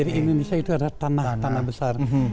jadi indonesia itu ada tanah tanah besar